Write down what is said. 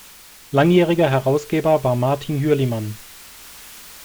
Langjähriger Herausgeber war Martin Hürlimann.